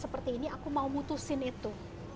seperti ini aku mau mutusin itu